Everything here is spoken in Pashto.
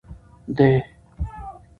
دي